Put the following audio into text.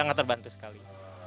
sangat terbantu sekali